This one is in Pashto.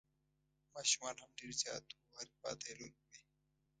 ماشومان هم ډېر زیات وو او هر خوا ته یې لوبې وې.